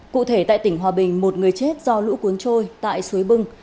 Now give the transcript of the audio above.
cụ thể tại tỉnh hòa bình một người chết do lũ cuốn trôi tại suối bưng